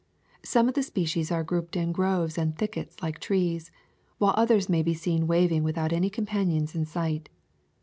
Some of the species are grouped in groves and thickets like trees, while others may be seen waving without any companions in sight.